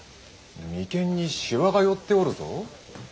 眉間にしわが寄っておるぞ。